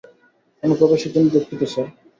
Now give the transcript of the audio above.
অনুপ্রবেশের জন্য দুঃখিত, স্যার।